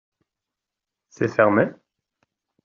C’est fermé ?